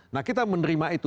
nah kita menerima itu